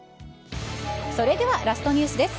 それではラストニュースです。